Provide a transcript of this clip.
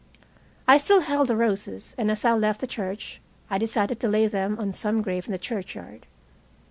I still held the roses, and as I left the church I decided to lay them on some grave in the churchyard.